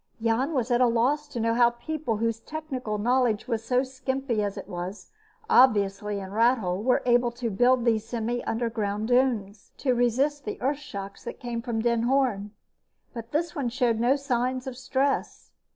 Jan was at a loss to know how people whose technical knowledge was as skimpy as it obviously was in Rathole were able to build these semi underground domes to resist the earth shocks that came from Den Hoorn. But this one showed no signs of stress.